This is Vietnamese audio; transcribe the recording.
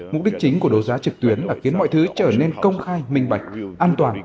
mục đích chính của đấu giá trực tuyến là khiến mọi thứ trở nên công khai minh bạch an toàn